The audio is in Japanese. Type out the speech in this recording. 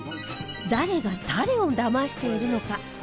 誰が誰をだましているのか。